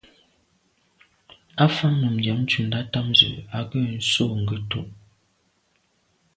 Á fáŋ nùm dìǎŋ ncúndá támzə̄ à ŋgə̂ sû ŋgə́tú’.